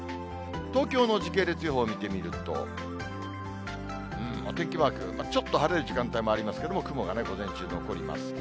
東京の時系列予報見てみると、お天気マーク、ちょっと晴れる時間帯もありますけれども、雲が午前中、残ります。